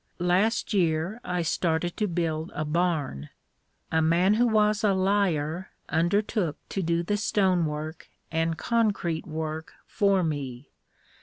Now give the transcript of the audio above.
Last year I started to build a barn. A man who was a liar undertook to do the stonework and concrete work for me.